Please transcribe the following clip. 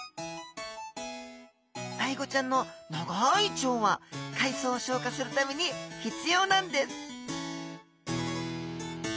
アイゴちゃんの長い腸は海藻を消化するために必要なんです